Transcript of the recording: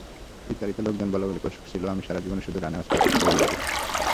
ইতালিতে লোকজন বলাবলি শুরু করেছিল, আমি সারা জীবন শুধু রানার্সআপই হয়ে যাব।